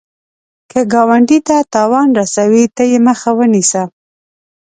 که ګاونډي ته تاوان رسوي، ته یې مخه ونیسه